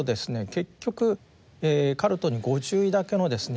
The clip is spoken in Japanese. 結局カルトにご注意だけのですね